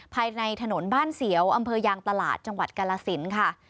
ภายในถนนบ้านเสียวอำเภอยางตลาดจังหวัดกาลสินค่ะ